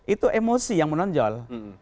itu emosi yang menonjol